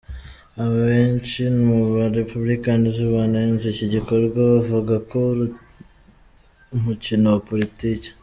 Abenshi mu ba républicains banenze iki gikorwa bavuga ko ari umukino wa politiki.